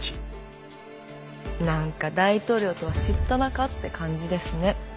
何か大統領とは知った仲って感じですね。